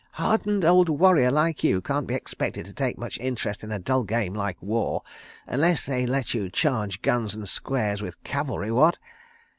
"Hardened old warrior like you can't be expected to take much interest in a dull game like war, unless they let you charge guns and squares with cavalry, what?